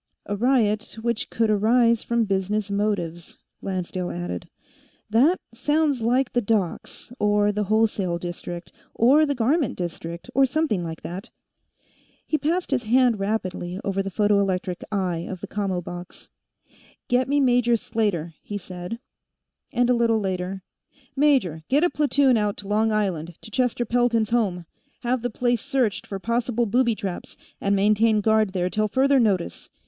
"A riot which could arise from business motives," Lancedale added. "That sounds like the docks, or the wholesale district, or the garment district, or something like that." He passed his hand rapidly over the photoelectric eye of the commo box. "Get me Major Slater," he said; and, a little later, "Major, get a platoon out to Long Island, to Chester Pelton's home; have the place searched for possible booby traps, and maintain guard there till further notice.